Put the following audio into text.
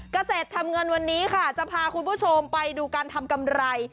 เกษตรทำเงินวันนี้ค่ะจะพาคุณผู้ชมไปดูการทำกำไร